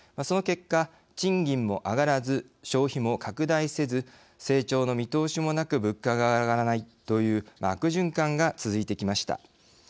その結果、賃金も上がらず消費も拡大せず成長の見通しもなく物価が上がらないという悪循環が続いてきました。